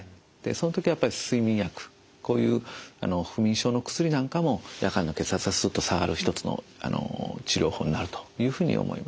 その時は睡眠薬こういう不眠症の薬なんかも夜間の血圧がすっと下がる一つの治療法になるというふうに思います。